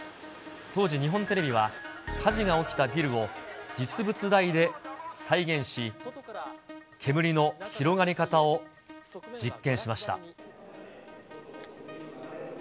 当時、日本テレビは、火事が起きたビルを実物大で再現し、煙の広がり方を実験しました。